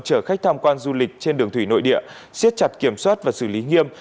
chở khách tham quan du lịch trên đường thủy nội địa siết chặt kiểm soát và xử lý nghiêm